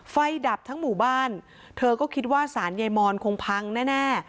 ดับทั้งหมู่บ้านเธอก็คิดว่าสารยายมอนคงพังแน่